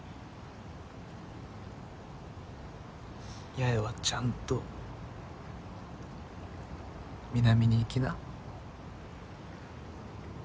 八重はちゃんと南に行きな。